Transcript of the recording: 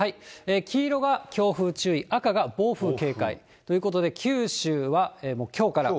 黄色が強風注意、赤が暴風警戒ということで九州はもうきょうから。